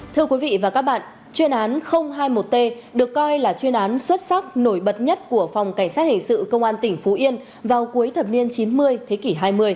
thưa quý vị và các bạn chuyên án hai mươi một t được coi là chuyên án xuất sắc nổi bật nhất của phòng cảnh sát hình sự công an tỉnh phú yên vào cuối thập niên chín mươi thế kỷ hai mươi